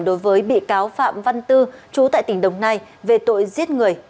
đối với bị cáo phạm văn tư chú tại tỉnh đồng nai về tội giết người